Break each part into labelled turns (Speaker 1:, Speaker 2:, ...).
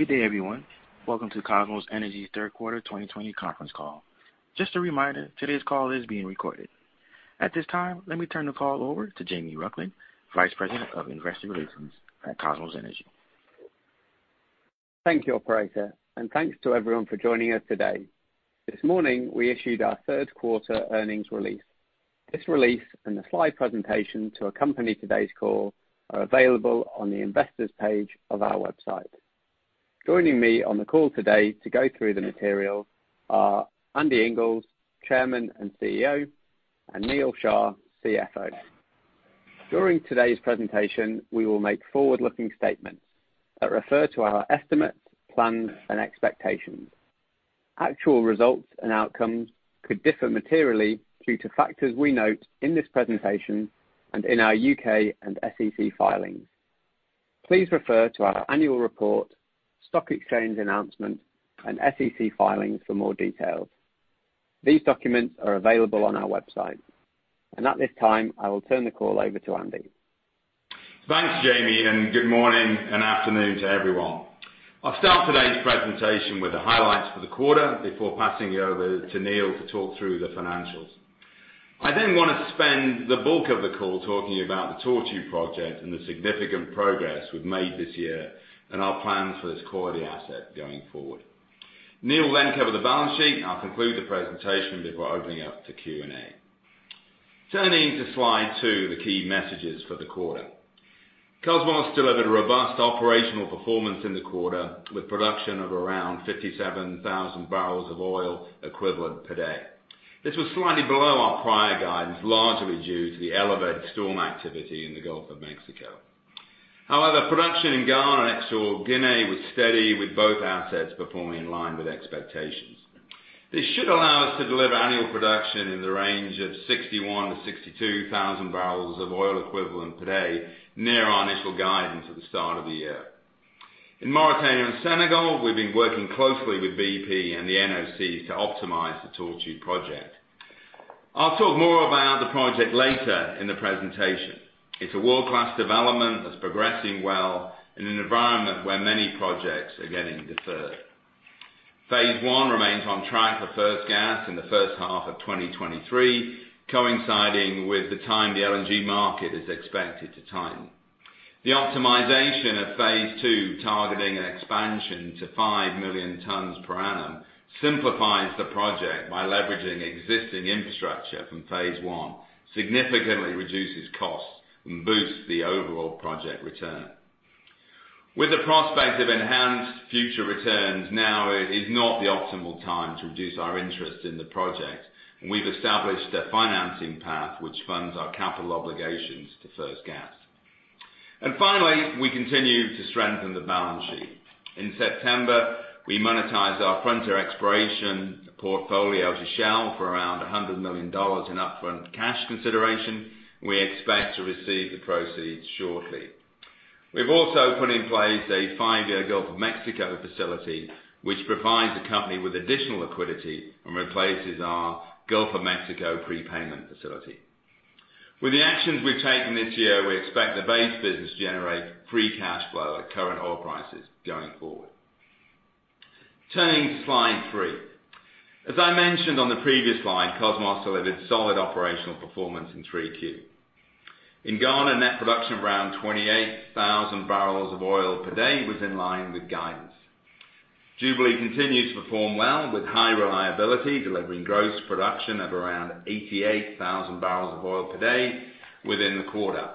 Speaker 1: Good day, everyone. Welcome to Kosmos Energy's Third Quarter 2020 Conference Call. Just a reminder, today's call is being recorded. At this time, let me turn the call over to Jamie Buckland, Vice President of Investor Relations at Kosmos Energy.
Speaker 2: Thank you, operator. Thanks to everyone for joining us today. This morning, we issued our Third-Quarter Earnings Release. This release and the slide presentation to accompany today's call are available on the investors page of our website. Joining me on the call today to go through the material are Andy Inglis, Chairman and CEO, and Neal Shah, CFO. During today's presentation, we will make forward-looking statements that refer to our estimates, plans, and expectations. Actual results and outcomes could differ materially due to factors we note in this presentation and in our U.K. and SEC filings. Please refer to our annual report, stock exchange announcement, and SEC filings for more details. These documents are available on our website. At this time, I will turn the call over to Andy.
Speaker 3: Thanks, Jamie, good morning and afternoon to everyone. I'll start today's presentation with the highlights for the quarter before passing you over to Neal to talk through the financials. I then want to spend the bulk of the call talking about the Tortue project and the significant progress we've made this year and our plans for this quality asset going forward. Neal will then cover the balance sheet, and I'll conclude the presentation before opening up to Q&A. Turning to slide two, the key messages for the quarter. Kosmos delivered a robust operational performance in the quarter, with production of around 57,000 barrels of oil equivalent per day. This was slightly below our prior guidance, largely due to the elevated storm activity in the Gulf of Mexico. However, production in Ghana and Equatorial Guinea was steady, with both assets performing in line with expectations. This should allow us to deliver annual production in the range of 61,000-62,000 barrels of oil equivalent per day, near our initial guidance at the start of the year. In Mauritania and Senegal, we've been working closely with BP and the NOCs to optimize the Tortue project. I'll talk more about the project later in the presentation. It's a world-class development that's progressing well in an environment where many projects are getting deferred. Phase 1 remains on track for first gas in the first half of 2023, coinciding with the time the LNG market is expected to tighten. The optimization of Phase 2, targeting an expansion to 5 million tons per annum, simplifies the project by leveraging existing infrastructure from Phase 1, significantly reduces costs, and boosts the overall project return. With the prospect of enhanced future returns, now is not the optimal time to reduce our interest in the project, and we've established a financing path which funds our capital obligations to first gas. Finally, we continue to strengthen the balance sheet. In September, we monetized our frontier exploration portfolio to Shell for around $100 million in upfront cash consideration. We expect to receive the proceeds shortly. We've also put in place a five-year Gulf of Mexico facility, which provides the company with additional liquidity and replaces our Gulf of Mexico prepayment facility. With the actions we've taken this year, we expect the base business to generate free cash flow at current oil prices going forward. Turning to slide three. As I mentioned on the previous slide, Kosmos delivered solid operational performance in 3Q. In Ghana, net production of around 28,000 barrels of oil per day was in line with guidance. Jubilee continues to perform well with high reliability, delivering gross production of around 88,000 barrels of oil per day within the quarter.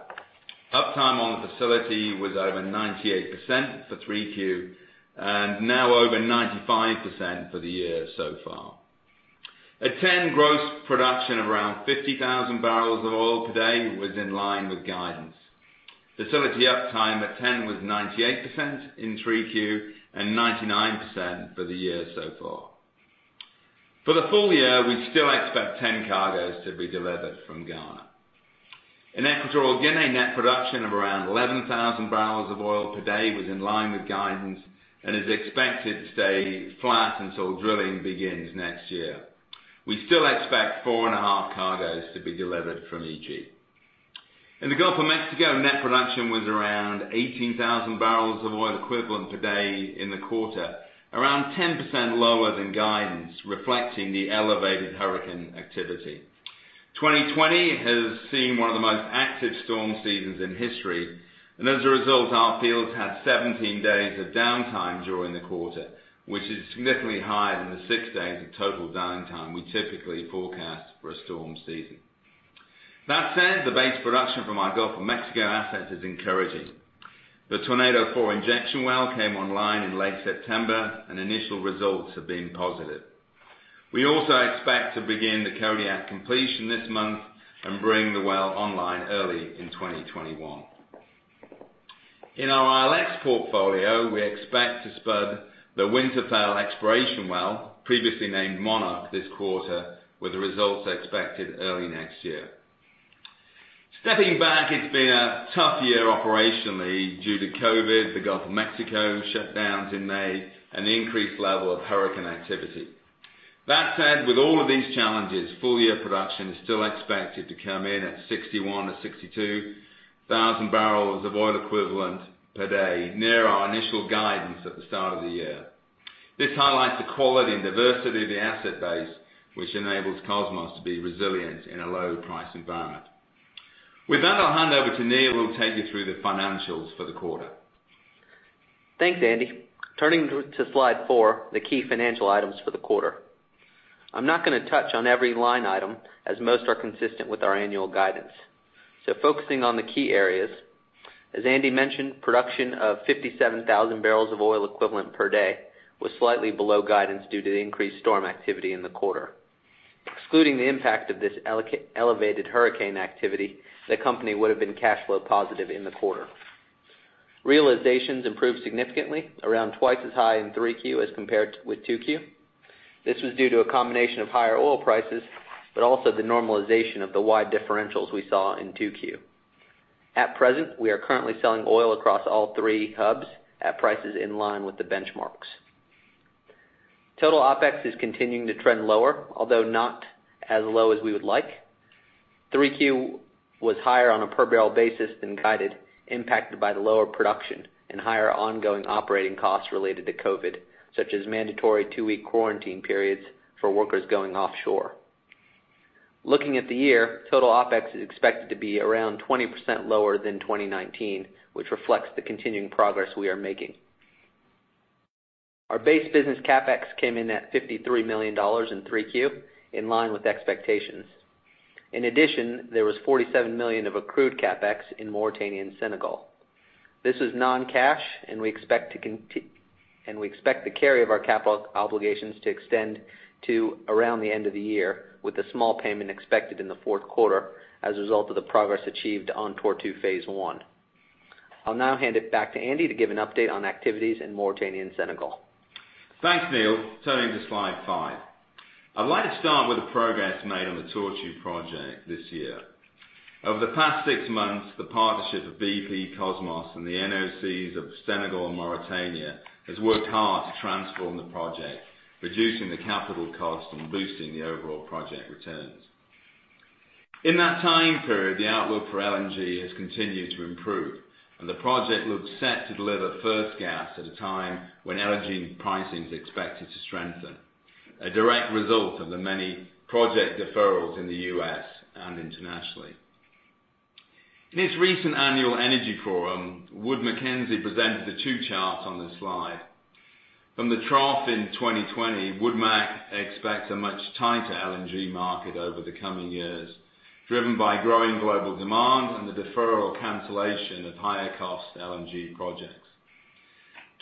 Speaker 3: Uptime on the facility was over 98% for 3Q and now over 95% for the year so far. At TEN, gross production around 50,000 barrels of oil per day was in line with guidance. Facility uptime at TEN was 98% in 3Q and 99% for the year so far. For the full year, we still expect 10 cargoes to be delivered from Ghana. In Equatorial Guinea, net production of around 11,000 barrels of oil per day was in line with guidance and is expected to stay flat until drilling begins next year. We still expect four and a half cargoes to be delivered from EG. In the Gulf of Mexico, net production was around 18,000 barrels of oil equivalent per day in the quarter, around 10% lower than guidance, reflecting the elevated hurricane activity. As a result, 2020 has seen one of the most active storm seasons in history, our fields had 17 days of downtime during the quarter, which is significantly higher than the six days of total downtime we typically forecast for a storm season. That said, the base production from our Gulf of Mexico assets is encouraging. The Tornado 4 injection well came online in late September. Initial results have been positive. We also expect to begin the Kodiak completion this month. Bring the well online early in 2021. In our ILX portfolio, we expect to spud the Winterfell exploration well, previously named Monarch, this quarter, with the results expected early next year. Stepping back, it's been a tough year operationally due to COVID, the Gulf of Mexico shutdowns in May, and the increased level of hurricane activity. That said, with all of these challenges, full-year production is still expected to come in at 61,000 to 62,000 barrels of oil equivalent per day, near our initial guidance at the start of the year. This highlights the quality and diversity of the asset base, which enables Kosmos to be resilient in a low-price environment. With that, I'll hand over to Neal, who will take you through the financials for the quarter.
Speaker 4: Thanks, Andy. Turning to slide four, the key financial items for the quarter. I'm not going to touch on every line item, as most are consistent with our annual guidance. Focusing on the key areas, as Andy mentioned, production of 57,000 barrels of oil equivalent per day was slightly below guidance due to the increased storm activity in the quarter. Excluding the impact of this elevated hurricane activity, the company would have been cash flow positive in the quarter. Realizations improved significantly, around twice as high in Q3 as compared with Q2. This was due to a combination of higher oil prices, but also the normalization of the wide differentials we saw in Q2. At present, we are currently selling oil across all three hubs at prices in line with the benchmarks. Total OpEx is continuing to trend lower, although not as low as we would like. Q3 was higher on a per-barrel basis than guided, impacted by the lower production and higher ongoing operating costs related to COVID, such as mandatory two-week quarantine periods for workers going offshore. Looking at the year, total OpEx is expected to be around 20% lower than 2019, which reflects the continuing progress we are making. Our base business CapEx came in at $53 million in Q3, in line with expectations. In addition, there was $47 million of accrued CapEx in Mauritania and Senegal. This is non-cash, and we expect the carry of our capital obligations to extend to around the end of the year, with a small payment expected in the fourth quarter as a result of the progress achieved on Tortue Phase I. I'll now hand it back to Andy to give an update on activities in Mauritania and Senegal.
Speaker 3: Thanks, Neal. Turning to slide five. I'd like to start with the progress made on the Tortue project this year. Over the past six months, the partnership of BP, Kosmos, and the NOCs of Senegal and Mauritania has worked hard to transform the project, reducing the capital cost and boosting the overall project returns. In that time period, the outlook for LNG has continued to improve, and the project looks set to deliver first gas at a time when LNG pricing is expected to strengthen, a direct result of the many project deferrals in the U.S. and internationally. In its recent Annual Energy Forum, Wood Mackenzie presented the two charts on this slide. From the trough in 2020, Woodmac expects a much tighter LNG market over the coming years, driven by growing global demand and the deferral cancellation of higher-cost LNG projects.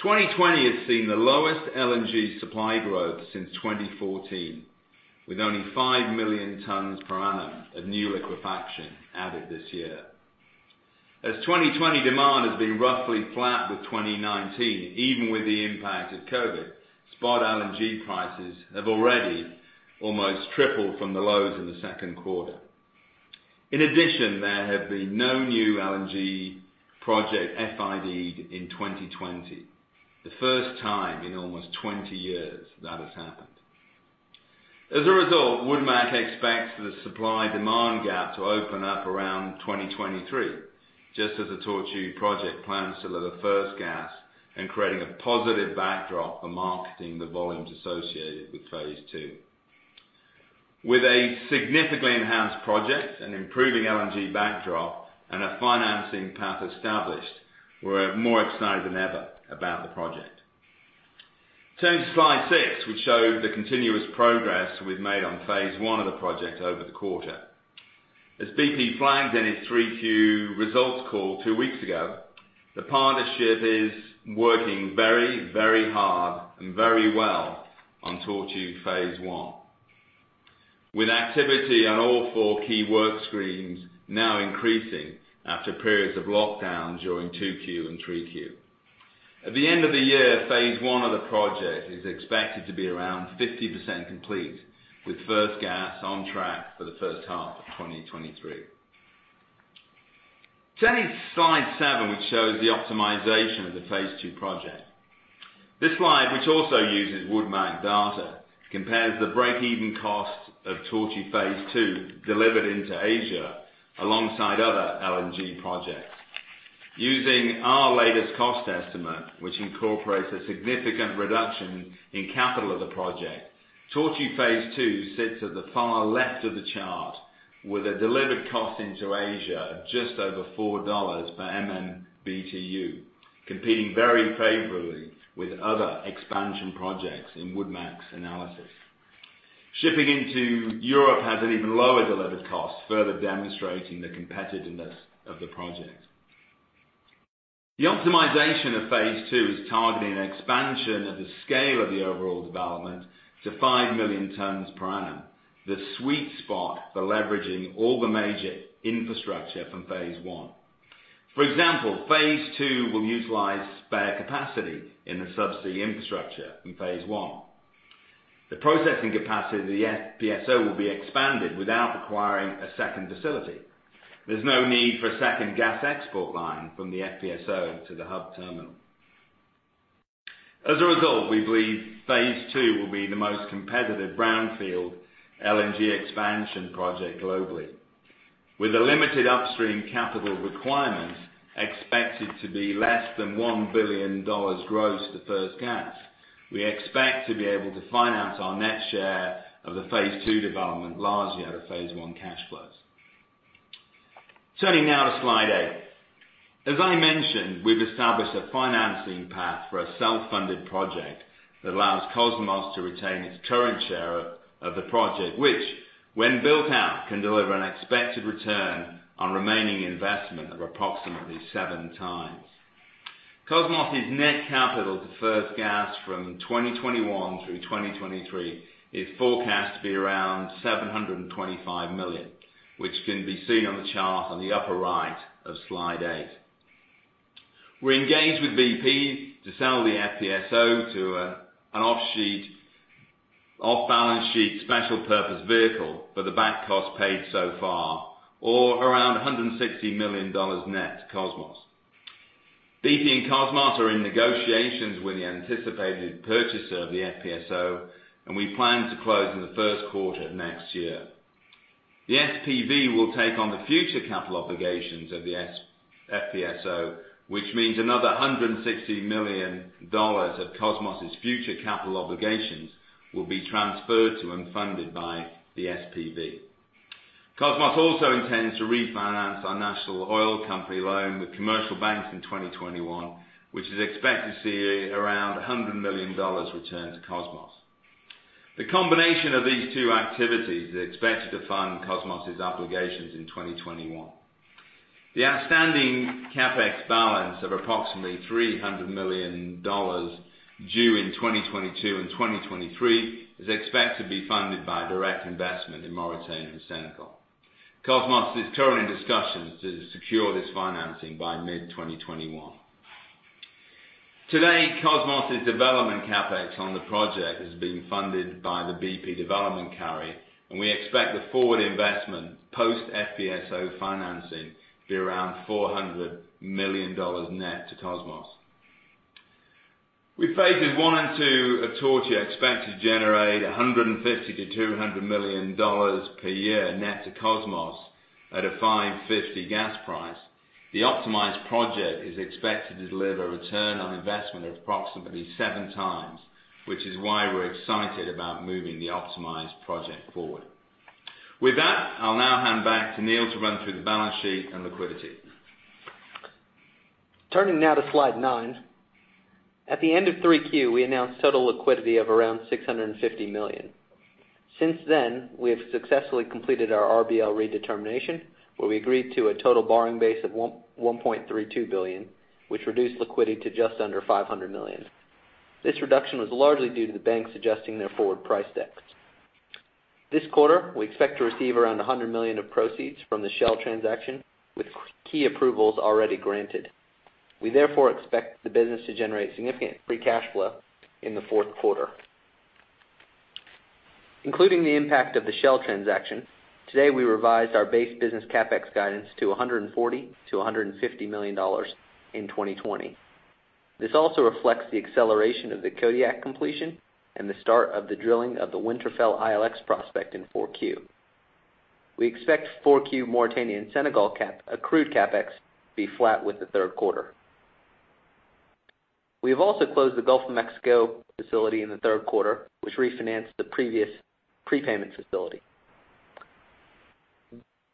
Speaker 3: 2020 has seen the lowest LNG supply growth since 2014, with only five million tons per annum of new liquefaction added this year. As 2020 demand has been roughly flat with 2019, even with the impact of COVID, spot LNG prices have already almost tripled from the lows in the second quarter. In addition, there have been no new LNG project FIDed in 2020. The first time in almost 20 years that has happened. As a result, Woodmac expects the supply-demand gap to open up around 2023, just as the Tortue project plans to deliver first gas and creating a positive backdrop for marketing the volumes associated with phase II. With a significantly enhanced project, an improving LNG backdrop, and a financing path established, we're more excited than ever about the project. Turning to slide six, which shows the continuous progress we've made on phase I of the project over the quarter. As BP flagged in its Q3 results call two weeks ago, the partnership is working very hard and very well on Tortue Phase I. With activity on all four key work streams now increasing after periods of lockdown during Q2 and Q3. At the end of the year, phase I of the project is expected to be around 50% complete, with first gas on track for the first half of 2023. Turning to slide seven, which shows the optimization of the phase II project. This slide, which also uses Woodmac data, compares the break-even cost of Tortue Phase II delivered into Asia alongside other LNG projects. Using our latest cost estimate, which incorporates a significant reduction in CapEx of the project, Tortue Phase II sits at the far left of the chart with a delivered cost into Asia of just over $4 per MMBtu, competing very favorably with other expansion projects in Wood Mackenzie's analysis. Shipping into Europe has an even lower delivered cost, further demonstrating the competitiveness of the project. The optimization of Phase II is targeting an expansion of the scale of the overall development to 5 million tons per annum, the sweet spot for leveraging all the major infrastructure from Phase I. For example, Phase II will utilize spare capacity in the subsea infrastructure in Phase I. The processing capacity of the FPSO will be expanded without requiring a second facility. There's no need for a second gas export line from the FPSO to the hub terminal. As a result, we believe phase II will be the most competitive brownfield LNG expansion project globally. With the limited upstream capital requirements expected to be less than $1 billion gross to first gas, we expect to be able to finance our net share of the phase II development largely out of phase I cash flows. Turning now to slide eight. As I mentioned, we've established a financing path for a self-funded project that allows Kosmos to retain its current share of the project which, when built out, can deliver an expected return on remaining investment of approximately 7x. Kosmos' net capital to first gas from 2021 through 2023 is forecast to be around $725 million, which can be seen on the chart on the upper right of slide eight. We're engaged with BP to sell the FPSO to an off-balance sheet special purpose vehicle for the back cost paid so far, or around $160 million net to Kosmos. BP and Kosmos are in negotiations with the anticipated purchaser of the FPSO, and we plan to close in the first quarter of next year. The SPV will take on the future capital obligations of the FPSO, which means another $160 million of Kosmos' future capital obligations will be transferred to and funded by the SPV. Kosmos also intends to refinance our national oil company loan with commercial banks in 2021, which is expected to see around $100 million returned to Kosmos. The combination of these two activities is expected to fund Kosmos' obligations in 2021. The outstanding CapEx balance of approximately $300 million due in 2022 and 2023 is expected to be funded by direct investment in Mauritania and Senegal. Kosmos is currently in discussions to secure this financing by mid-2021. Today, Kosmos's development CapEx on the project is being funded by the BP development carry, and we expect the forward investment, post FPSO financing, to be around $400 million net to Kosmos. With phases I and II of Tortue expected to generate $150 million-$200 million per year net to Kosmos at a 5.50 gas price, the optimized project is expected to deliver a return on investment of approximately 7x, which is why we're excited about moving the optimized project forward. With that, I'll now hand back to Neal to run through the balance sheet and liquidity.
Speaker 4: Turning now to slide nine. At the end of Q3, we announced total liquidity of around $650 million. Since then, we have successfully completed our RBL redetermination, where we agreed to a total borrowing base of $1.32 billion, which reduced liquidity to just under $500 million. This reduction was largely due to the banks adjusting their forward price decks. This quarter, we expect to receive around $100 million of proceeds from the Shell transaction, with key approvals already granted. We therefore expect the business to generate significant free cash flow in the fourth quarter. Including the impact of the Shell transaction, today, we revised our base business CapEx guidance to $140 million-$150 million in 2020. This also reflects the acceleration of the Kodiak completion and the start of the drilling of the Winterfell ILX prospect in Q4. We expect Q4 Mauritania and Senegal accrued CapEx to be flat with the third quarter. We have also closed the Gulf of Mexico facility in the third quarter, which refinanced the previous prepayment facility.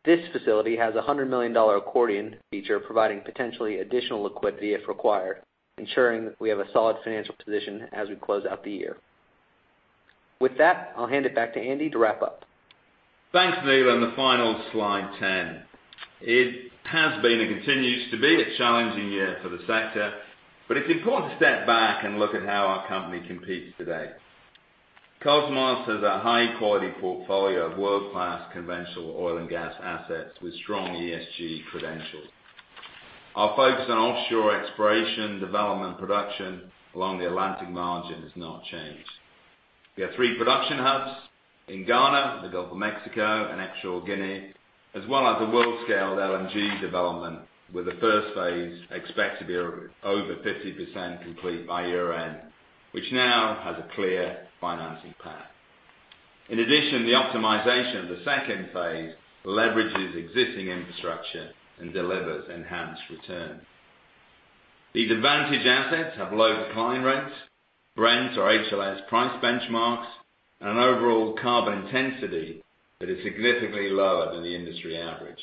Speaker 4: This facility has a $100 million accordion feature, providing potentially additional liquidity if required, ensuring that we have a solid financial position as we close out the year. With that, I'll hand it back to Andy to wrap up.
Speaker 3: Thanks, Neal. The final slide 10. It has been and continues to be a challenging year for the sector, but it's important to step back and look at how our company competes today. Kosmos has a high-quality portfolio of world-class conventional oil and gas assets with strong ESG credentials. Our focus on offshore exploration, development, production along the Atlantic margin has not changed. We have three production hubs in Ghana, the Gulf of Mexico, and Equatorial Guinea, as well as a world-scale LNG development, with the first phase expected to be over 50% complete by year-end, which now has a clear financing path. In addition, the optimization of the second phase leverages existing infrastructure and delivers enhanced return. These advantage assets have low decline rates, Brent or HLS price benchmarks, and an overall carbon intensity that is significantly lower than the industry average.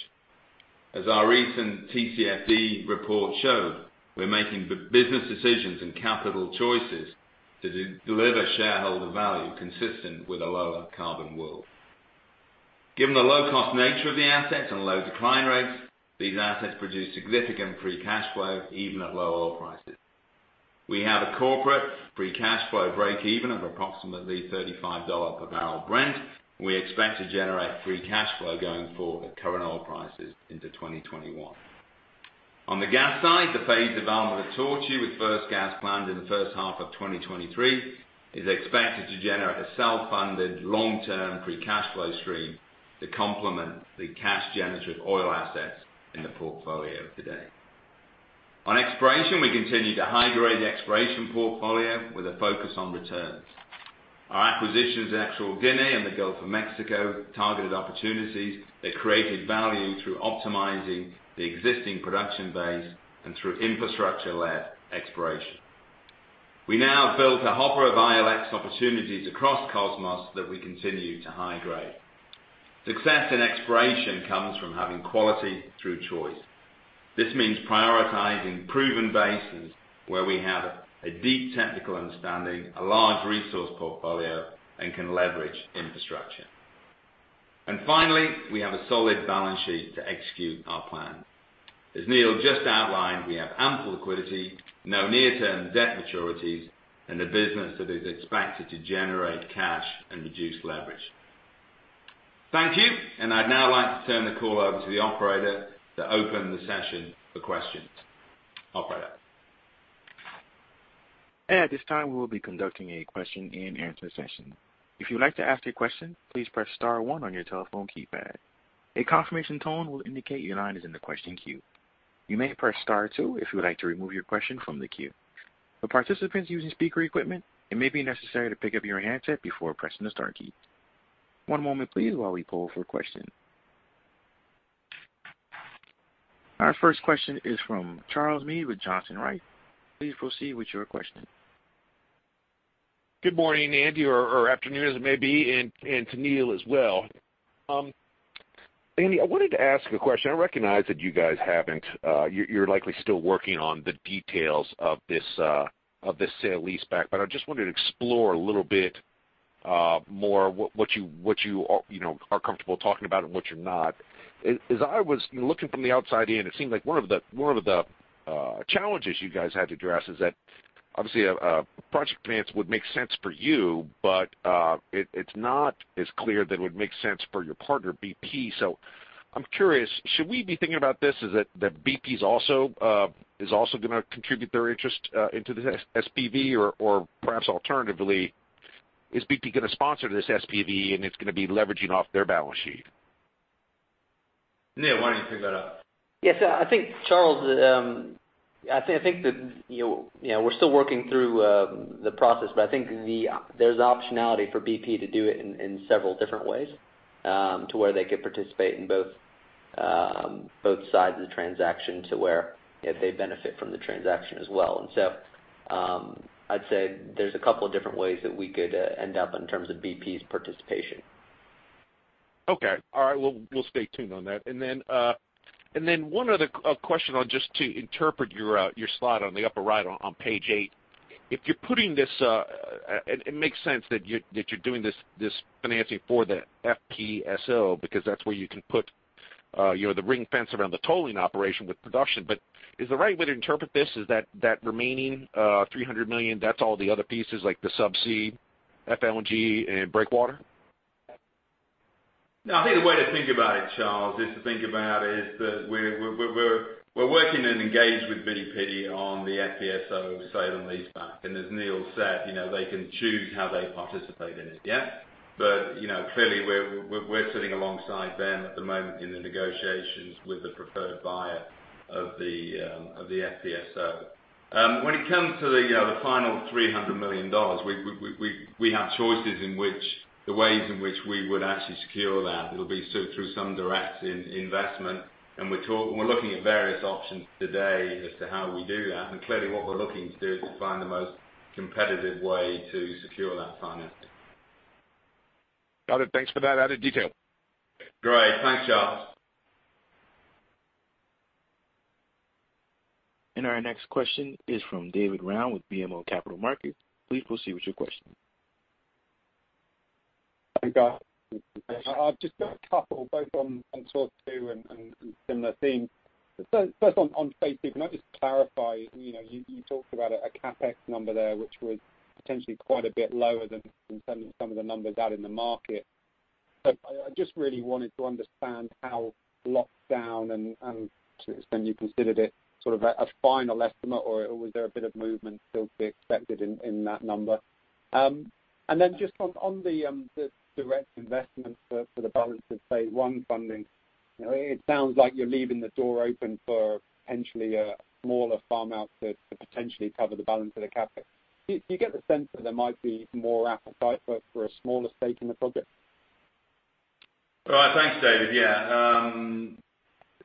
Speaker 3: As our recent TCFD report shows, we're making business decisions and capital choices to deliver shareholder value consistent with a lower carbon world. Given the low-cost nature of the assets and low decline rates, these assets produce significant free cash flow, even at low oil prices. We have a corporate free cash flow break-even of approximately $35 per barrel Brent. We expect to generate free cash flow going forward at current oil prices into 2021. On the gas side, the phase development of Tortue with first gas planned in the first half of 2023 is expected to generate a self-funded, long-term free cash flow stream to complement the cash generative oil assets in the portfolio today. On exploration, we continue to high-grade the exploration portfolio with a focus on returns. Our acquisitions in Equatorial Guinea and the Gulf of Mexico targeted opportunities that created value through optimizing the existing production base and through infrastructure-led exploration. We now have built a hopper of ILX opportunities across Kosmos that we continue to high-grade. Success in exploration comes from having quality through choice. This means prioritizing proven basins where we have a deep technical understanding, a large resource portfolio, and can leverage infrastructure. Finally, we have a solid balance sheet to execute our plan. As Neal just outlined, we have ample liquidity, no near-term debt maturities, and a business that is expected to generate cash and reduce leverage. Thank you. I'd now like to turn the call over to the operator to open the session for questions. Operator?
Speaker 1: At this time, we will be conducting a question and answer session. If you would like to ask a question, please press star one on your telephone keypad. A confirmation tone will indicate your line is in the question queue. You may press star two if you would like to remove your question from the queue. For participants using speaker equipment, it may be necessary to pick up your handset before pressing the star key. One moment please while we poll for a question. Our first question is from Charles Meade with Johnson Rice. Please proceed with your question.
Speaker 5: Good morning, Andy, or afternoon as it may be, and to Neal as well. Andy, I wanted to ask a question. I recognize that you guys haven't You're likely still working on the details of this sale leaseback, but I just wanted to explore a little bit more what you are comfortable talking about and what you're not. As I was looking from the outside in, it seemed like one of the challenges you guys had to address is that, obviously, a project finance would make sense for you, but it's not as clear that it would make sense for your partner, BP. I'm curious, should we be thinking about this as that BP is also going to contribute their interest into this SPV or perhaps alternatively, is BP going to sponsor this SPV, and it's going to be leveraging off their balance sheet?
Speaker 3: Neal, why don't you pick that up?
Speaker 4: Yes. Charles, we're still working through the process, but I think there's optionality for BP to do it in several different ways, to where they could participate in both sides of the transaction to where they benefit from the transaction as well. I'd say there's a couple of different ways that we could end up in terms of BP's participation.
Speaker 5: Okay. All right. We'll stay tuned on that. One other question on just to interpret your slide on the upper right on page eight. It makes sense that you're doing this financing for the FPSO, because that's where you can put the ring fence around the tolling operation with production. Is the right way to interpret this is that remaining $300 million, that's all the other pieces like the subsea FLNG and Winterfell?
Speaker 3: I think the way to think about it, Charles, is to think about is that we're working and engaged with BP on the FPSO sale and leaseback. As Neal said, they can choose how they participate in it. Clearly, we're sitting alongside them at the moment in the negotiations with the preferred buyer of the FPSO. When it comes to the other final $300 million, we have choices in which the ways in which we would actually secure that. It will be through some direct investment. We're looking at various options today as to how we do that. Clearly, what we're looking to do is find the most competitive way to secure that financing.
Speaker 5: Got it. Thanks for that added detail.
Speaker 3: Great. Thanks, Charles.
Speaker 1: Our next question is from David Round with BMO Capital Markets. Please proceed with your question.
Speaker 6: Hi, guys. I've just got a couple both on phase II and similar theme. First on phase II, can I just clarify, you talked about a CapEx number there which was potentially quite a bit lower than some of the numbers out in the market. I just really wanted to understand how locked down and when you considered it sort of a final estimate, or was there a bit of movement still to be expected in that number? Just on the direct investment for the balance of phase I funding. It sounds like you're leaving the door open for potentially a smaller farm out to potentially cover the balance of the CapEx. Do you get the sense that there might be more appetite for a smaller stake in the project?
Speaker 3: Right. Thanks, David. Yeah.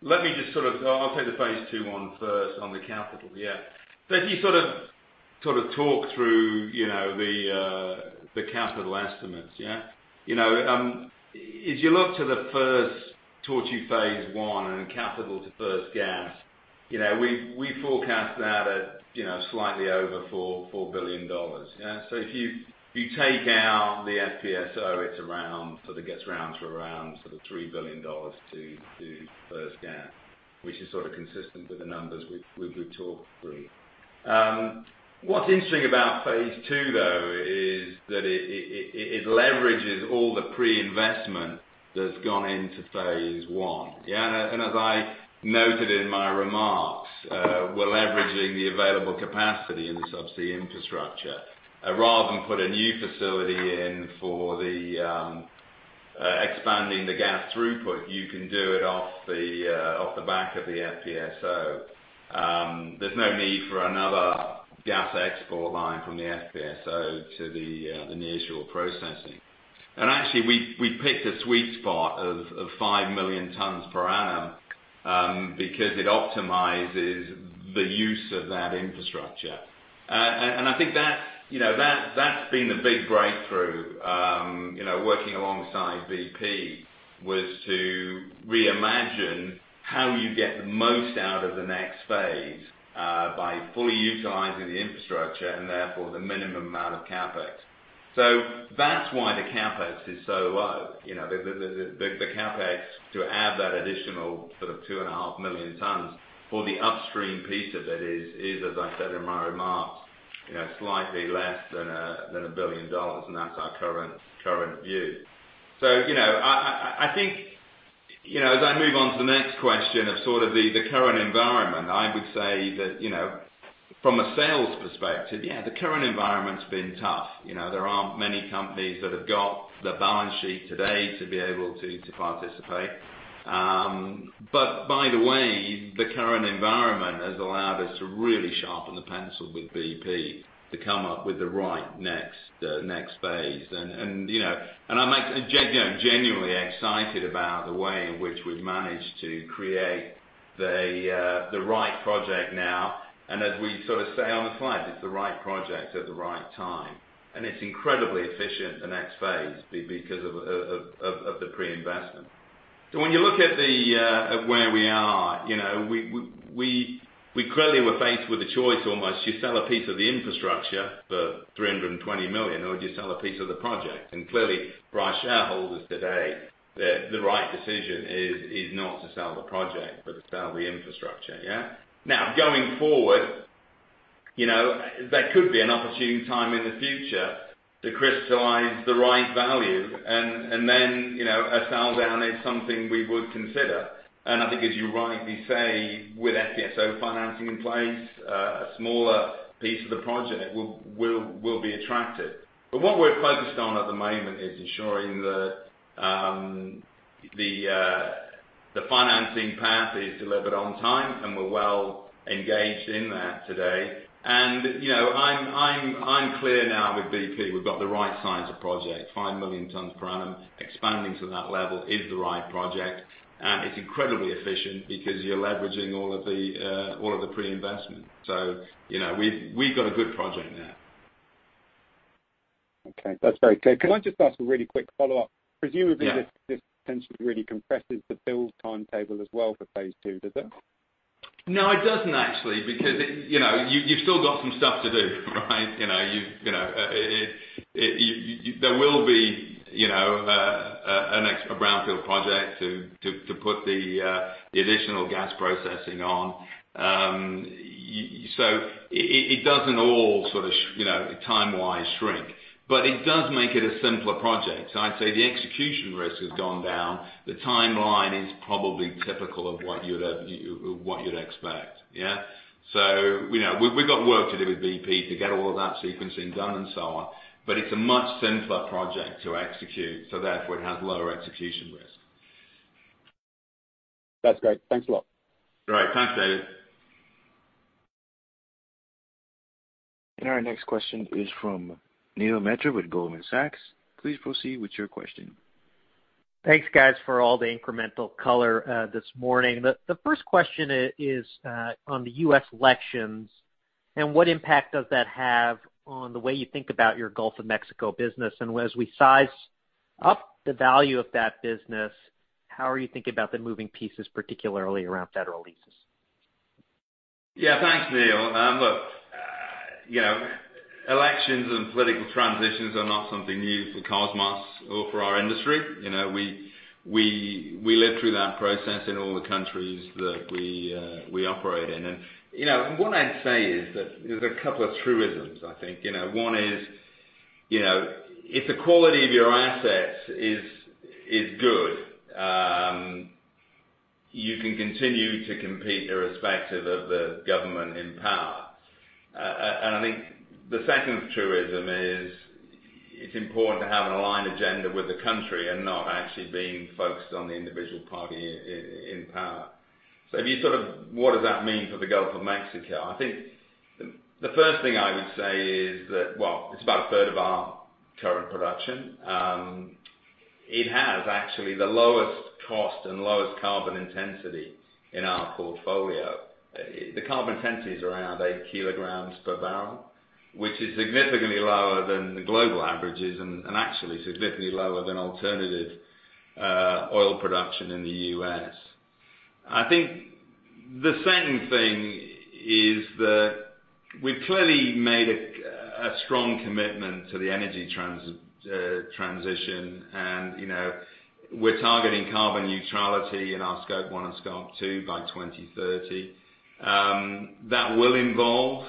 Speaker 3: I'll take the phase II one first on the capital. Yeah. If you sort of talk through the capital estimates. As you look to the first Tortue phase I and capital to first gas, we forecast that at slightly over $4 billion. If you take out the FPSO, it gets round to around $3 billion to first gas, which is sort of consistent with the numbers we've talked through. What's interesting about phase II, though, is that it leverages all the pre-investment that's gone into phase I. As I noted in my remarks, we're leveraging the available capacity in the subsea infrastructure. Rather than put a new facility in for expanding the gas throughput, you can do it off the back of the FPSO. There's no need for another gas export line from the FPSO to the initial processing. Actually, we picked a sweet spot of 5 million tons per annum, because it optimizes the use of that infrastructure. I think that's been the big breakthrough, working alongside BP, was to reimagine how you get the most out of the next phase, by fully utilizing the infrastructure and therefore the minimum amount of CapEx. That's why the CapEx is so low. The CapEx to add that additional sort of 2.5 million tons for the upstream piece of it is, as I said in my remarks, slightly less than $1 billion, and that's our current view. As I move on to the next question of sort of the current environment, I would say that from a sales perspective, yeah, the current environment's been tough. There aren't many companies that have got the balance sheet today to be able to participate. By the way, the current environment has allowed us to really sharpen the pencil with BP to come up with the right next phase. I'm genuinely excited about the way in which we've managed to create the right project now. As we sort of say on the slide, it's the right project at the right time. It's incredibly efficient the next phase, because of the pre-investment. When you look at where we are, we clearly were faced with a choice almost. Do you sell a piece of the infrastructure for $320 million, or do you sell a piece of the project? Clearly for our shareholders today, the right decision is not to sell the project, but to sell the infrastructure, yeah. Going forward, there could be an opportune time in the future to crystallize the right value and then, a sell-down is something we would consider. I think as you rightly say, with FPSO financing in place, a smaller piece of the project will be attractive. What we're focused on at the moment is ensuring that the financing path is delivered on time, and we're well-engaged in that today. I'm clear now with BP, we've got the right size of project, 5 million tons per annum. Expanding to that level is the right project, and it's incredibly efficient because you're leveraging all of the pre-investment. We've got a good project now.
Speaker 6: Okay. That's very clear. Can I just ask a really quick follow-up?
Speaker 3: Yeah.
Speaker 6: Presumably this potentially really compresses the build timetable as well for phase II, does it?
Speaker 3: No, it doesn't actually. You've still got some stuff to do, right? There will be a brownfield project to put the additional gas processing on. It doesn't all sort of time-wise shrink. It does make it a simpler project. I'd say the execution risk has gone down. The timeline is probably typical of what you'd expect, yeah. We've got work to do with BP to get all of that sequencing done and so on. It's a much simpler project to execute, so therefore it has lower execution risk.
Speaker 6: That's great. Thanks a lot.
Speaker 3: Great. Thanks, David.
Speaker 1: Our next question is from Neil Mehta with Goldman Sachs. Please proceed with your question.
Speaker 7: Thanks guys for all the incremental color this morning. The first question is on the U.S. elections and what impact does that have on the way you think about your Gulf of Mexico business? As we size up the value of that business, how are you thinking about the moving pieces, particularly around federal leases?
Speaker 3: Yeah, thanks, Neal. Look, elections and political transitions are not something new for Kosmos or for our industry. We lived through that process in all the countries that we operate in. What I'd say is that there's a couple of truisms, I think. One is, if the quality of your assets is good, you can continue to compete irrespective of the government in power. I think the second truism is, it's important to have an aligned agenda with the country and not actually being focused on the individual party in power. What does that mean for the Gulf of Mexico? I think the first thing I would say is that, well, it's about a third of our current production. It has actually the lowest cost and lowest carbon intensity in our portfolio. The carbon intensity is around eight kilograms per barrel, which is significantly lower than the global averages and actually significantly lower than alternative oil production in the U.S. I think the second thing is that we've clearly made a strong commitment to the energy transition and we're targeting carbon neutrality in our Scope 1 and Scope 2 by 2030. That will involve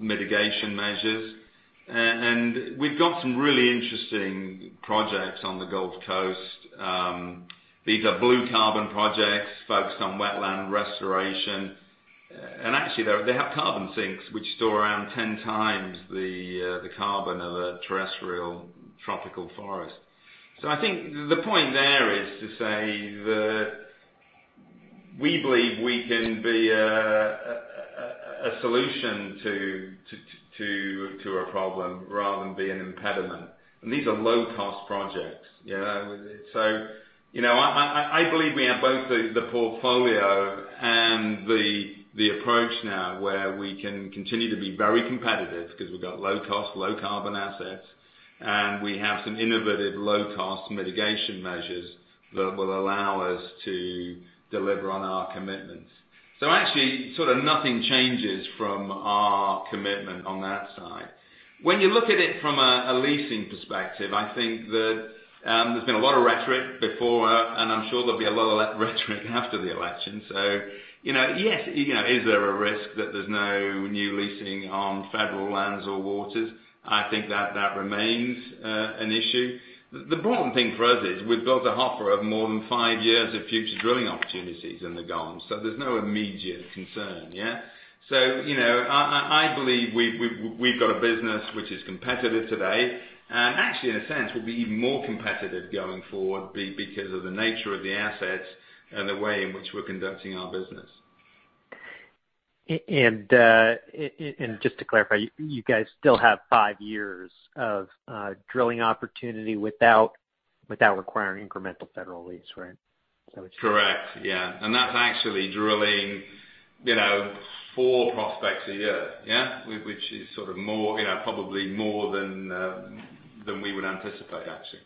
Speaker 3: mitigation measures. We've got some really interesting projects on the Gulf Coast. These are blue carbon projects focused on wetland restoration. Actually, they have carbon sinks which store around 10x the carbon of a terrestrial tropical forest. I think the point there is to say that we believe we can be a solution to a problem rather than be an impediment. These are low-cost projects. I believe we have both the portfolio and the approach now where we can continue to be very competitive because we've got low-cost, low-carbon assets, and we have some innovative low-cost mitigation measures that will allow us to deliver on our commitments. Actually, sort of nothing changes from our commitment on that side. When you look at it from a leasing perspective, I think that there's been a lot of rhetoric before, and I'm sure there'll be a lot of rhetoric after the election. Yes. Is there a risk that there's no new leasing on federal lands or waters? I think that remains an issue. The important thing for us is we've got a hopper of more than five years of future drilling opportunities in the Gulf, so there's no immediate concern, yeah? I believe we've got a business which is competitive today, and actually in a sense, we'll be even more competitive going forward because of the nature of the assets and the way in which we're conducting our business.
Speaker 7: Just to clarify, you guys still have five years of drilling opportunity without requiring incremental federal lease, right? Is that what you're saying?
Speaker 3: Correct. Yeah. That's actually drilling four prospects a year, yeah? Which is sort of probably more than we would anticipate, actually.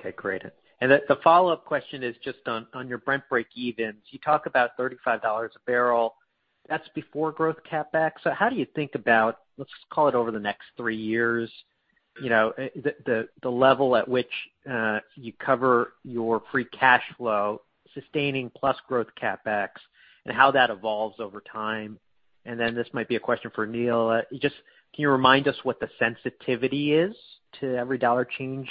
Speaker 7: Okay, great. The follow-up question is just on your Brent breakevens. You talk about $35 a barrel. That's before growth CapEx. How do you think about, let's call it over the next three years, the level at which you cover your free cash flow, sustaining plus growth CapEx, and how that evolves over time? This might be a question for Neal. Just can you remind us what the sensitivity is to every dollar change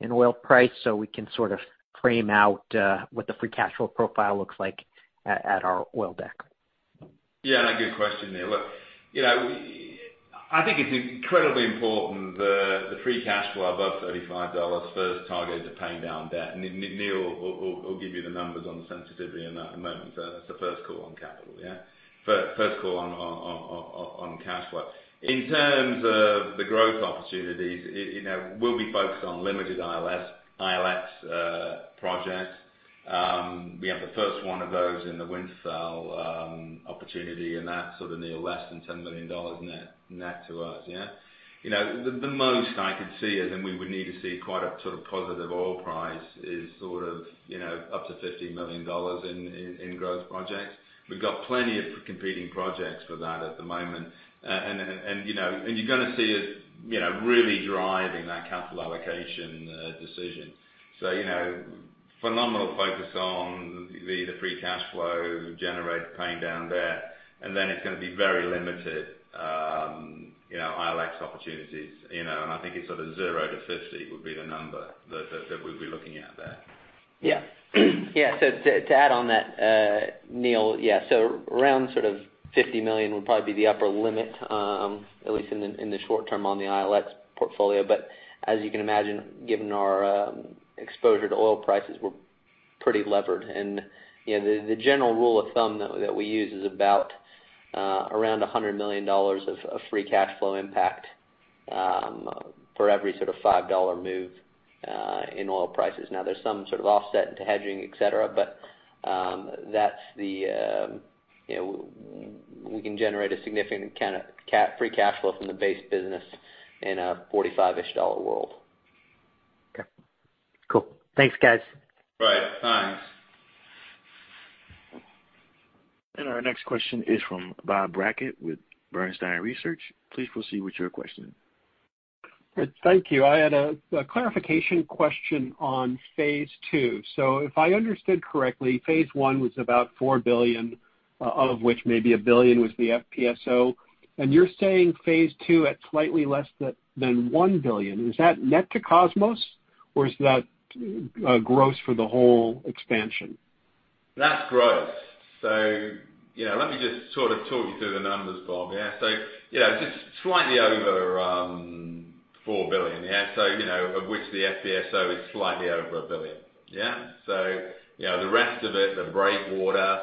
Speaker 7: in oil price so we can sort of frame out what the free cash flow profile looks like at our oil deck?
Speaker 3: Good question, Neil. I think it's incredibly important the free cash flow above $35 first target to paying down debt. Neal will give you the numbers on the sensitivity in a moment. That's the first call on capital. First call on cash flow. In terms of the growth opportunities, we'll be focused on limited ILX projects. We have the first one of those in the Winterfell opportunity, and that's sort of less than $10 million net to us. The most I could see, and we would need to see quite a sort of positive oil price, is sort of up to $50 million in growth projects. We've got plenty of competing projects for that at the moment. You're going to see us really driving that capital allocation decision. Phenomenal focus on the free cash flow generated paying down debt. Then it's going to be very limited ILX opportunities. I think it's sort of 0-50 would be the number that we'd be looking at there.
Speaker 4: To add on that, Neil, around sort of $50 million would probably be the upper limit, at least in the short term on the ILX portfolio. As you can imagine, given our exposure to oil prices, we're pretty levered. The general rule of thumb that we use is about around $100 million of free cash flow impact for every sort of $5 move in oil prices. There's some sort of offset to hedging, et cetera, we can generate a significant amount of free cash flow from the base business in a $45-ish dollar world.
Speaker 7: Okay. Cool. Thanks, guys.
Speaker 3: Right. Thanks.
Speaker 1: Our next question is from Bob Brackett with Bernstein Research. Please proceed with your question.
Speaker 8: Thank you. I had a clarification question on phase II. If I understood correctly, phase I was about $4 billion, of which maybe $1 billion was the FPSO. You're saying phase II at slightly less than $1 billion. Is that net to Kosmos, or is that gross for the whole expansion?
Speaker 3: That's gross. Let me just sort of talk you through the numbers, Bob. Just slightly over $4 billion, of which the FPSO is slightly over $1 billion. The rest of it, the breakwater,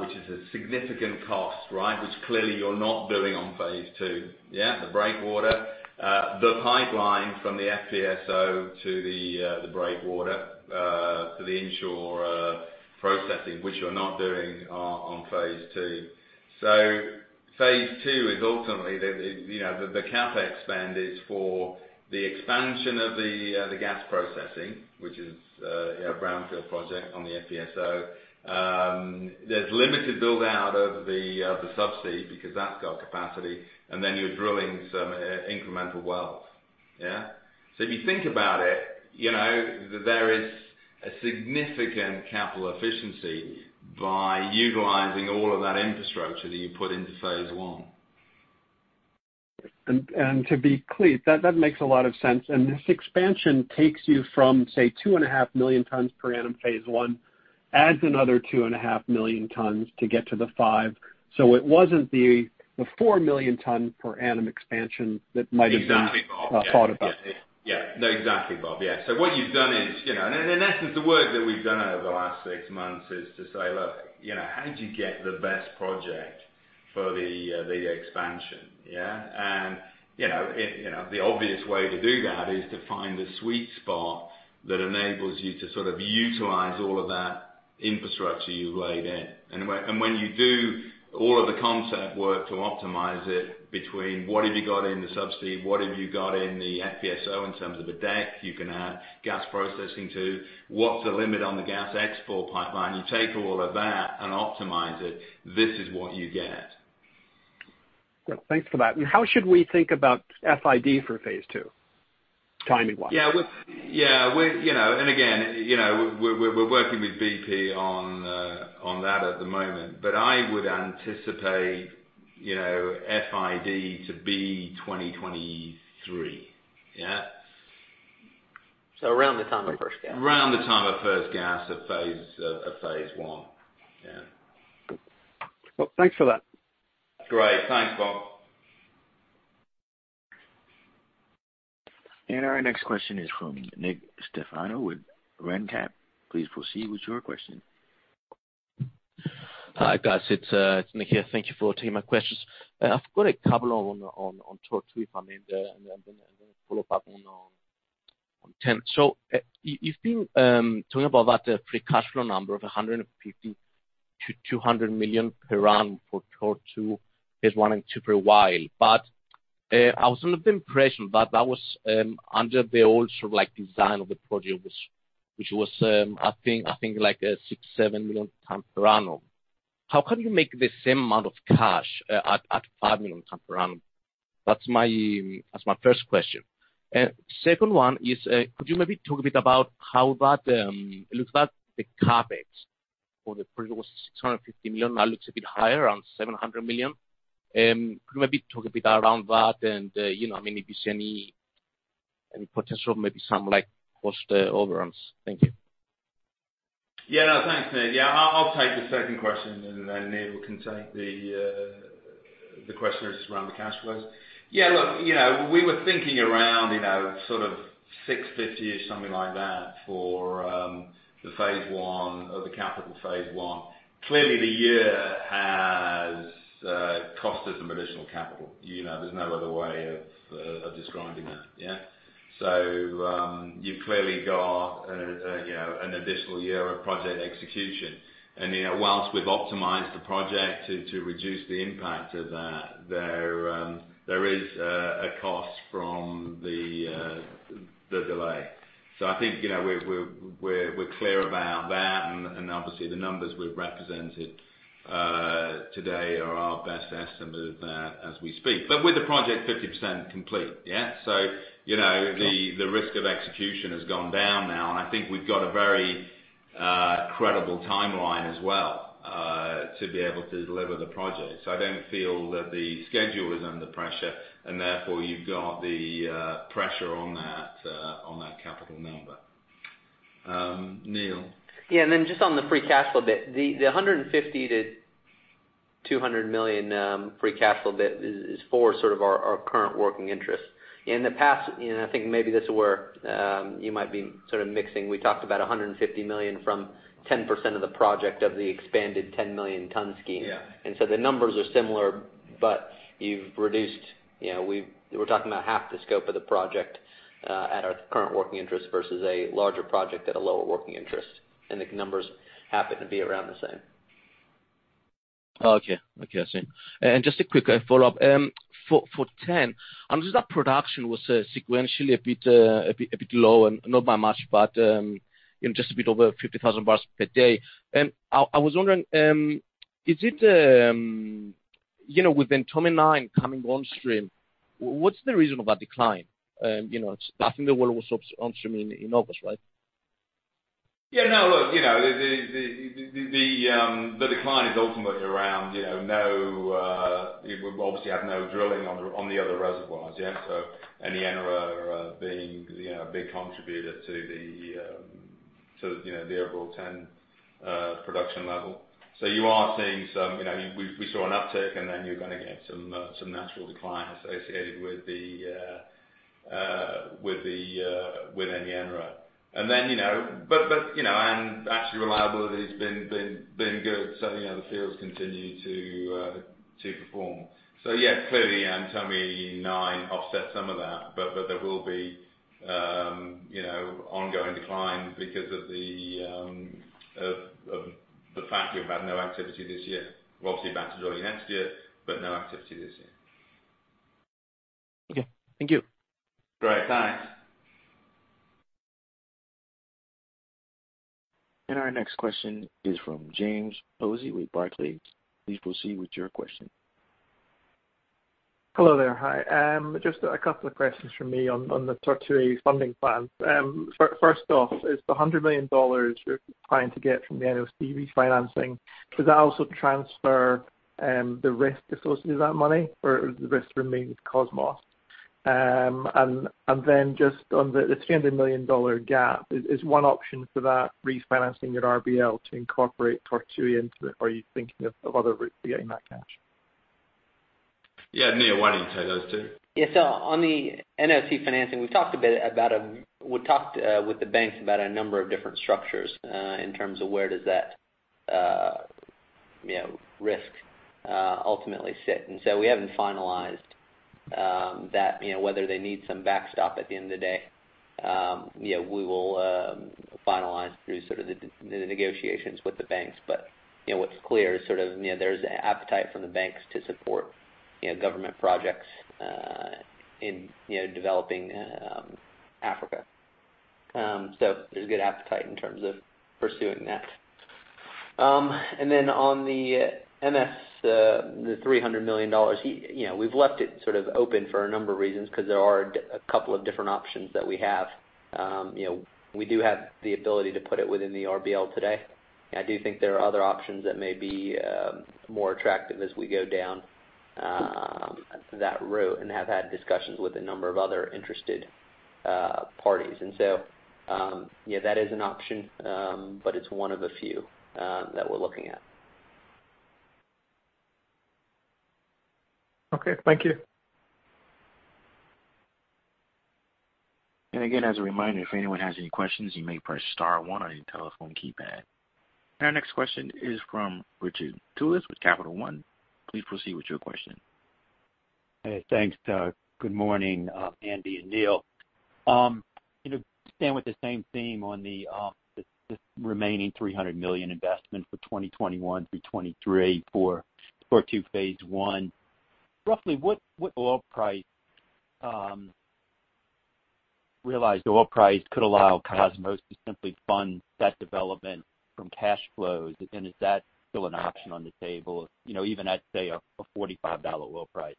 Speaker 3: which is a significant cost. Which clearly you're not doing on phase II. The breakwater, the pipeline from the FPSO to the breakwater for the inshore processing, which you're not doing on phase II. Phase II is ultimately, the CapEx spend is for the expansion of the gas processing, which is a brownfield project on the FPSO. There's limited build-out of the subsea because that's got capacity, and then you're drilling some incremental wells. If you think about it, there is a significant capital efficiency by utilizing all of that infrastructure that you put into phase I.
Speaker 8: To be clear, that makes a lot of sense. This expansion takes you from, say, 2.5 million tons per annum phase I, adds another 2.5 million tons to get to the 5. It wasn't the 4 million ton per annum expansion that might have been.
Speaker 3: Exactly, Bob. Yeah.
Speaker 8: thought about.
Speaker 3: Exactly, Bob. Yeah. What you've done is, in essence the work that we've done over the last six months is to say, look, how do you get the best project for the expansion? Yeah. The obvious way to do that is to find the sweet spot that enables you to sort of utilize all of that infrastructure you've laid in. When you do all of the concept work to optimize it between what have you got in the subsea, what have you got in the FPSO in terms of a deck you can add gas processing to? What's the limit on the gas export pipeline? You take all of that and optimize it. This is what you get.
Speaker 8: Yeah, thanks for that. How should we think about FID for phase II, timing-wise?
Speaker 3: Yeah. Again, we're working with BP on that at the moment, but I would anticipate FID to be 2023. Yeah.
Speaker 4: Around the time of first gas.
Speaker 3: Around the time of first gas of phase I.
Speaker 8: Well, thanks for that.
Speaker 3: Great. Thanks, Bob.
Speaker 1: Our next question is from Nick Stefanou with RenCap. Please proceed with your question.
Speaker 9: Hi, guys. It's Nick here. Thank you for taking my questions. I've got a couple on Tortue, if I may, and then a follow-up one on TEN. You've been talking about that free cash flow number of $150 million-$200 million per annum for Tortue phase I and II for a while. I was under the impression that that was under the old sort of design of the project, which was, I think like 6 million-7 million tons per annum. How can you make the same amount of cash at 5 million tons per annum? That's my first question. Second one is, could you maybe talk a bit about how that looks like the CapEx for the project was $650 million. Now it looks a bit higher, around $700 million. Could you maybe talk a bit around that and if there's any potential, maybe some cost overruns? Thank you.
Speaker 3: No, thanks, Nick. I'll take the second question, then Neal can take the questions around the cash flows. Look, we were thinking around sort of 650-ish, something like that for the capital phase I. Clearly, the year has cost us some additional capital. There's no other way of describing that. You've clearly got an additional year of project execution. Whilst we've optimized the project to reduce the impact of that, there is a cost from the delay. I think we're clear about that, obviously the numbers we've represented today are our best estimate of that as we speak. With the project 50% complete. The risk of execution has gone down now, I think we've got a very credible timeline as well, to be able to deliver the project. I don't feel that the schedule is under pressure, and therefore you've got the pressure on that capital number, Neal.
Speaker 4: Yeah. Just on the free cash flow bit, the $150 million-$200 million free cash flow bit is for sort of our current working interest. In the past, I think maybe this is where you might be sort of mixing. We talked about $150 million from 10% of the project of the expanded 10 million ton scheme. The numbers are similar, but we were talking about half the scope of the project at our current working interest versus a larger project at a lower working interest, and the numbers happen to be around the same.
Speaker 9: Okay. I see. Just a quick follow-up. For TEN, I noticed that production was sequentially a bit low, not by much, but just a bit over 50,000 barrels per day. I was wondering, with Ntomme 9 coming on stream, what's the reason for that decline? I think it was on stream in August, right?
Speaker 3: Yeah. No, look, the decline is ultimately around, we obviously had no drilling on the other reservoirs. Yeah. Enyenra being a big contributor to the overall TEN production level. We saw an uptick, then you're going to get some natural decline associated with Enyenra. Actually, reliability has been good, so the other fields continue to perform. Yeah, clearly Ntomme 9 offsets some of that. There will be ongoing declines because of the fact we've had no activity this year. We're obviously back to drilling next year, but no activity this year.
Speaker 9: Okay. Thank you.
Speaker 3: Great. Thanks.
Speaker 1: Our next question is from James Hosie with Barclays. Please proceed with your question.
Speaker 10: Hello there. Hi. Just two questions from me on the Tortue funding plan. First off, is the $100 million you're trying to get from the NOC refinancing, does that also transfer the risk associated with that money, or does the risk remain with Kosmos? Just on the $300 million gap, is one option for that refinancing your RBL to incorporate Tortue into it, or are you thinking of other routes for getting that cash?
Speaker 3: Neal, why don't you take those two?
Speaker 4: On the NOC financing, we've talked with the banks about a number of different structures, in terms of where does that risk ultimately sit. We haven't finalized that. Whether they need some backstop at the end of the day, we will finalize through the negotiations with the banks. What's clear is there's an appetite from the banks to support government projects in developing Africa. There's a good appetite in terms of pursuing that. On the M&S, the $300 million, we've left it open for a number of reasons, because there are a couple of different options that we have. I do think there are other options that may be more attractive as we go down that route, and have had discussions with a number of other interested parties. That is an option, but it's one of a few that we're looking at.
Speaker 10: Okay. Thank you.
Speaker 1: Again, as a reminder, if anyone has any questions, you may press star one on your telephone keypad. Our next question is from Richard Tullis with Capital One. Please proceed with your question.
Speaker 11: Hey, thanks. Good morning, Andy and Neal. Staying with the same theme on the remaining $300 million investment for 2021 through 2023 for Tortue Phase I, roughly what realized oil price could allow Kosmos to simply fund that development from cash flows? Is that still an option on the table, even at, say, a $45 oil price?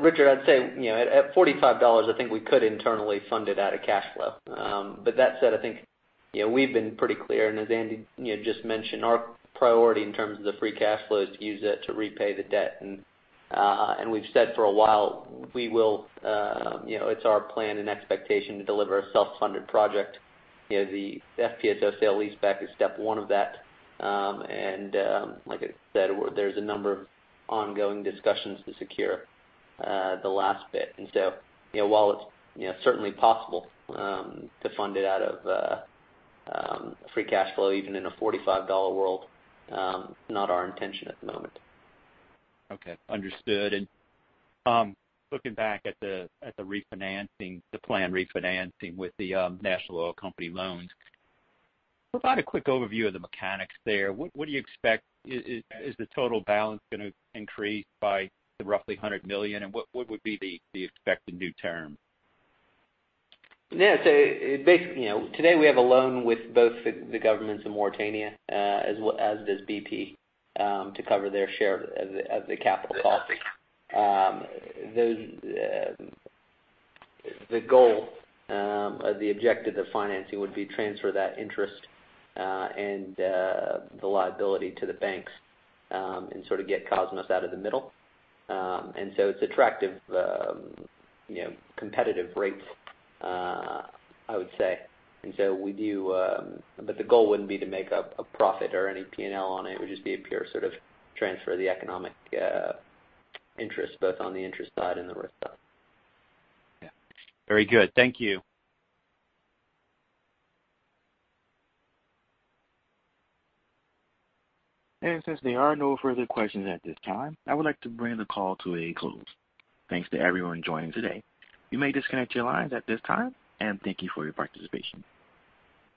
Speaker 4: Richard, I'd say at $45, I think we could internally fund it out of cash flow. That said, I think we've been pretty clear, and as Andy just mentioned, our priority in terms of the free cash flow is to use it to repay the debt. We've said for a while, it's our plan and expectation to deliver a self-funded project. The FPSO sale-leaseback is step one of that. Like I said, there's a number of ongoing discussions to secure the last bit. While it's certainly possible to fund it out of free cash flow, even in a $45 world, not our intention at the moment.
Speaker 11: Okay. Understood. Looking back at the planned refinancing with the National Oil Company loans, provide a quick overview of the mechanics there. What do you expect? Is the total balance going to increase by the roughly $100 million, and what would be the expected new term?
Speaker 4: Basically, today we have a loan with both the governments of Mauritania, as does BP, to cover their share of the capital cost. The goal or the objective of financing would be transfer that interest and the liability to the banks, and sort of get Kosmos out of the middle. It's attractive competitive rates, I would say. The goal wouldn't be to make up a profit or any P&L on it. It would just be a pure sort of transfer of the economic interest, both on the interest side and the risk side.
Speaker 11: Yeah. Very good. Thank you.
Speaker 1: Since there are no further questions at this time, I would like to bring the call to a close. Thanks to everyone joining today. You may disconnect your lines at this time, and thank you for your participation.